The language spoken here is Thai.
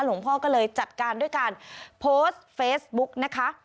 หลวงพ่อก็เลยจัดการด้วยการโพสต์เฟซบุ๊กนะคะ